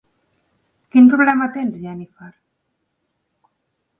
Quin problema tens, Jennifer?